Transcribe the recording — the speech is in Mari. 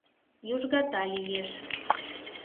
Южгата лиеш.